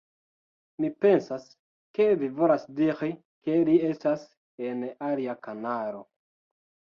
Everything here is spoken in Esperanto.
Mi pensas, ke vi volas diri, ke li estas en alia kanalo